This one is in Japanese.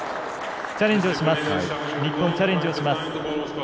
日本、チャレンジをします。